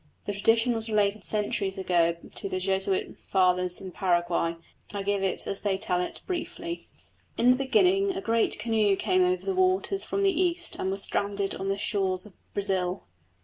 The tradition was related centuries ago to the Jesuit Fathers in Paraguay, and I give it as they tell it, briefly. In the beginning a great canoe came over the waters from the east and was stranded on the shores of Brazil.